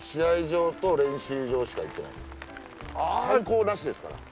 観光なしですから。